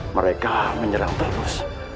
mereka menyerang terus